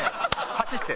走って。